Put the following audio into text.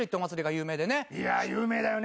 いや有名だよね。